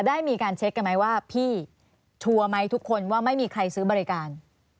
ได้มีการเช็คกันไหมว่าพี่ชัวร์ไหมทุกคนว่าไม่มีใครซื้อบริการ